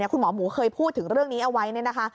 คุณหมอหมูเคยพูดถึงเรื่องนี้เอาไว้